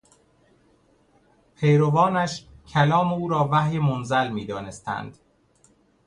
پیروانش کلام او را وحی منزل میدانستند.